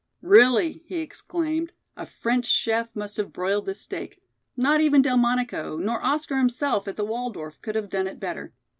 "Really," he exclaimed, "a French chef must have broiled this steak. Not even Delmonico, nor Oscar himself at the Waldorf, could have done it better.